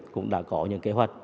cũng đã có những kế hoạch